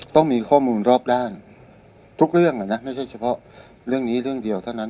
ต้องมีข้อมูลรอบด้านทุกเรื่องนะไม่ใช่เฉพาะเรื่องนี้เรื่องเดียวเท่านั้น